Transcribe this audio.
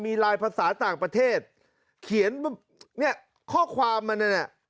มีลายภาษาต่างประเทศเขียนเนี่ยข้อความมันนั่นน่ะ